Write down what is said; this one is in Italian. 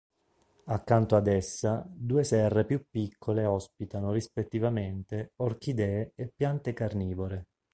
Accanto ad essa, due serre più piccole ospitano, rispettivamente, orchidee e piante carnivore.